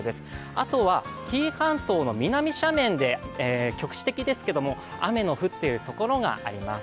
あとは紀伊半島の南斜面で局地的ですけども雨の降っているところがあります。